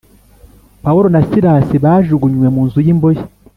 Pawulo na Silasi bajugunywe mu nzu y imbohe